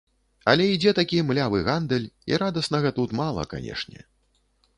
Але ідзе такі млявы гандаль і радаснага тут мала, канешне.